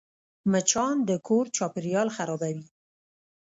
مچان د کور چاپېریال خرابوي